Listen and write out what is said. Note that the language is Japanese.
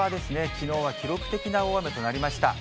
きのうは記録的な大雨となりました。